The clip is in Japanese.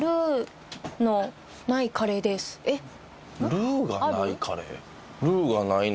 ルーがないカレー？